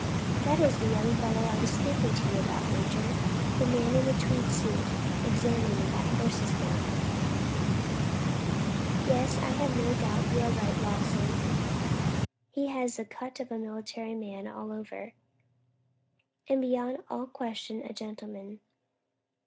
"That is the young fellow I was speaking to you about, major, the man in the tweed suit examining that horse's mouth." "Yes, I have no doubt you are right, Lawson; he has the cut of a military man all over, and beyond all question a gentleman.